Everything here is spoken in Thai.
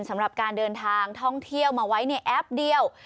สำหรับการเดินทางท่องเที่ยวมาไว้ในแอปเดียว